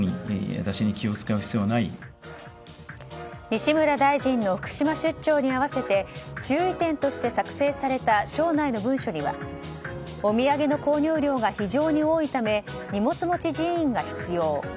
西村大臣の福島出張に合わせて注意点として作成された省内の文書にはお土産の購入量が非常に多いため荷物持ち人員が必要。